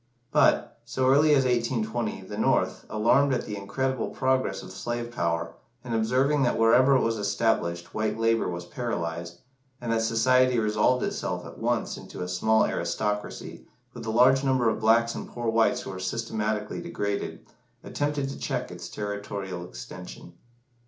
But, so early as 1820, the North, alarmed at the incredible progress of slave power, and observing that wherever it was established white labour was paralysed, and that society resolved itself at once into a small aristocracy, with a large number of blacks and poor whites who were systematically degraded, attempted to check its territorial extension.